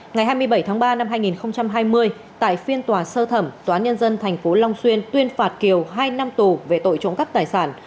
ngày hai mươi bảy tháng ba năm hai nghìn hai mươi tại phiên tòa sơ thẩm tòa án nhân dân tp long xuyên tuyên phạt kiều hai năm tù về tội trộm cắp tài sản